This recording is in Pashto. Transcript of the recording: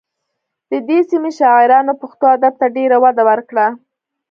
د دې سیمې شاعرانو پښتو ادب ته ډېره وده ورکړه